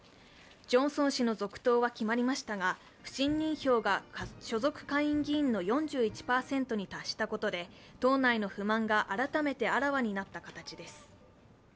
ジョンソン氏の続投は決まりましたが不信任票が所属下院議員の４１％に達したことで党内の不満が改めてあらわになった形です。